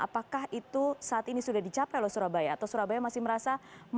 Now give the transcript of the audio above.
apakah itu saat ini sudah dicapai loh surabaya atau surabaya masih merasa